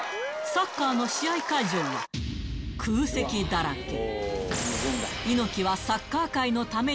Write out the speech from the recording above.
サッカーの試合会場は空席だらけ